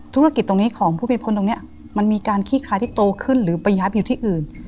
ธุรกิจตรงนี้ของผู้มีพลตรงนี้มันมีการขี้คลายที่โตขึ้นหรือไปยับอยู่ที่อื่น